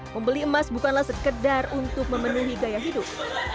membeli emas bukanlah sekedar untuk memenuhi gaya hidup